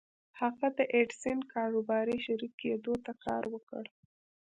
هغه د ايډېسن کاروباري شريک کېدو ته کار وکړ.